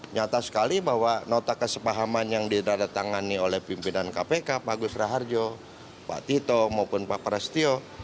nyata sekali bahwa nota kesepahaman yang diradatangani oleh pimpinan kpk pak gus raharjo pak tito maupun pak prasetyo